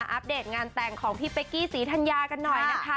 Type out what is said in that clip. อปเดตงานแต่งของพี่เป๊กกี้ศรีธัญญากันหน่อยนะคะ